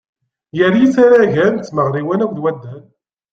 Gar yisaragen d tmeɣriwin akked waddal.